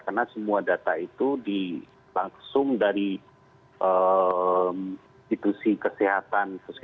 karena semua data itu dilangsung dari institusi kesehatan